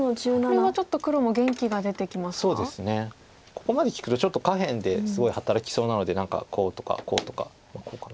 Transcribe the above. ここまで利くとちょっと下辺ですごい働きそうなので何かこうとかこうとかこうかな。